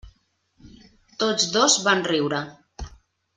Tots dos van riure.